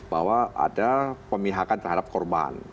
bahwa ada pemihakan terhadap korban